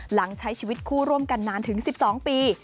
ใช้ชีวิตคู่ร่วมกันนานถึง๑๒ปี